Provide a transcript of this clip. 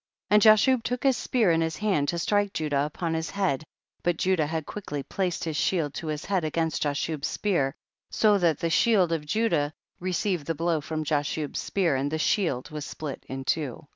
38. And Jashub took his spear in his hand to strike Judah upon his head, but Judah had quickly placed his shield to his head against Ja shub's spear, so that the shield of Judah received the blow from Ja shub's spear, and the shield was split in two, 39.